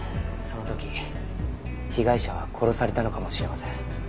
その時被害者は殺されたのかもしれません。